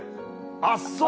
あっそう。